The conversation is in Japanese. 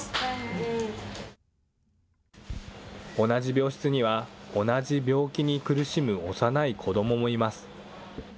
同じ病室には、同じ病気に苦しむ幼い子どももいます。